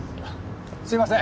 すみません。